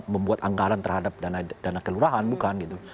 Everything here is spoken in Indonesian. membuat anggaran terhadap dana kelurahan bukan gitu